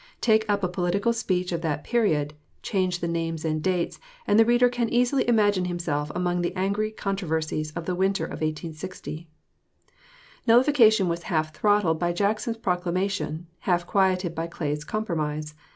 Take up a political speech of that period, change the names and dates, and the reader can easily imagine himself among the angry controversies of the winter of 1860. Nullification was half throttled by Jackson's proclamation, half quieted by Clay's compromise.